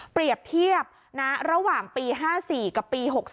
เปรียบเทียบนะระหว่างปี๕๔กับปี๖๓